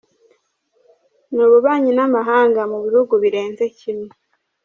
Ni ububanyi n’amahanga mu bihugu birenze kimwe.”